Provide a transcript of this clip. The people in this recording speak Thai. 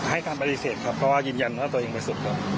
ให้การปฏิเสธครับเพราะว่ายืนยันว่าตัวเองเป็นสุดครับ